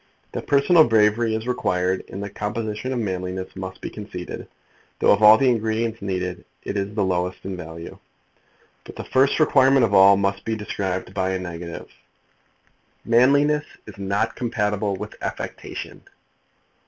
That personal bravery is required in the composition of manliness must be conceded, though, of all the ingredients needed, it is the lowest in value. But the first requirement of all must be described by a negative. Manliness is not compatible with affectation.